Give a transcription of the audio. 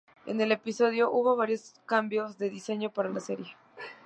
En el episodio hubo varios cambios de diseño para la serie.